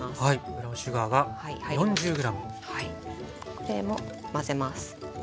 これも混ぜます。